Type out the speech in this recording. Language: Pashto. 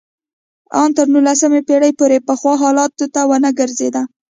ان تر نولسمې پېړۍ پورې پخوا حالت ته ونه ګرځېده